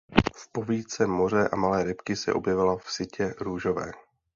V povídce Moře a malé rybky se objevila v sytě růžové.